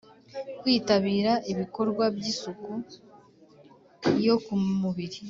-kwitabira ibikorwa by’isuku yo ku mubiri,